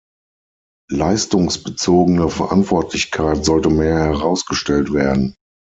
Leistungsbezogene Verantwortlichkeit sollte mehr herausgestellt werden.